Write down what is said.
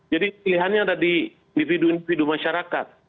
jadi pilihannya ada di individu individu masyarakat